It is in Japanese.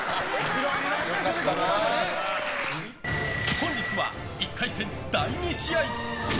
本日は１回戦第２試合。